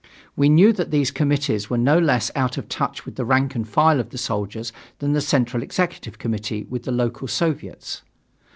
We knew that these committees were no less out of touch with the rank and file of the soldiers than the Central Executive Committee with the local Soviets.